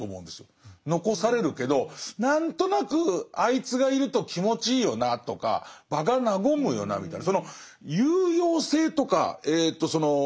残されるけど何となくあいつがいると気持ちいいよなとか場が和むよなみたいな